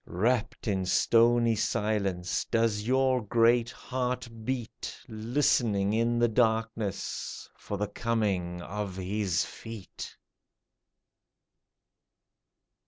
Wrapped in stony silence, does your great heart beat, Listening in the darkness for the coming of His feet